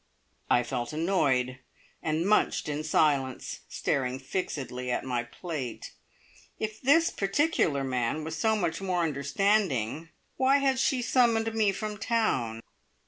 I felt annoyed, and munched in silence, staring fixedly at my plate. If this particular man was so much more understanding, why had she summoned me from town?